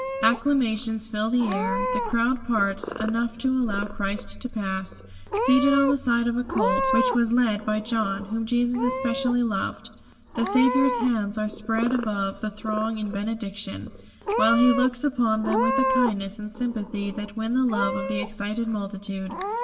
Acclamations fill the air. The crowd parts enough to allow Christ to pass, seated on the side of a colt, which was led by the John whom Jesus especially loved. The Saviour's hands are spread above the throng in benediction, while He looks upon them with a kindness and sympathy that win the love of the excited multitude.